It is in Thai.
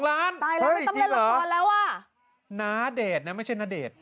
ตายแล้วไม่ต้องเล่นหลังกวนแล้วอ่ะนาเดชนั้นไม่ใช่นาเดช